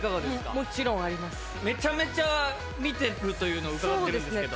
めちゃめちゃ観てるというのを伺ってるんですけど。